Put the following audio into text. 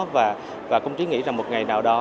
và công chí nghĩ rằng một ngày nào đó